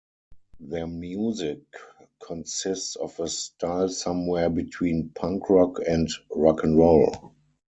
Their music consists of a style somewhere between punk rock and rock n' roll.